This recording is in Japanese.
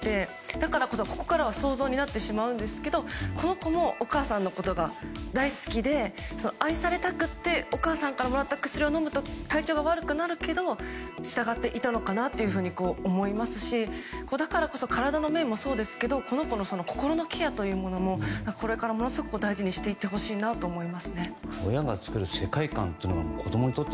だからこそ、ここからは想像になってしまうんですけどこの子もお母さんのことが大好きで愛されたくってお母さんからもらった薬を飲むと体調が悪くなるけど従っていたのかなというふうに思いますし、だからこそ体の面もそうですしこの子の心のケアもこれから大事にしていってほしいなと思いますね。